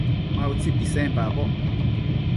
Ma utsi pisenpacboc